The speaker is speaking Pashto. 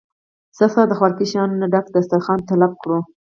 څخه د خوراکي شيانو نه ډک دستارخوان طلب کړو